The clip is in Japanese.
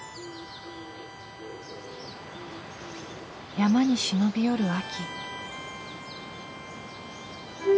山に忍び寄る秋。